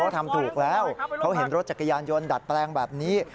ทำถูกแล้วเขาเห็นรถจักรยานยนต์ดัดแปลงแบบนี้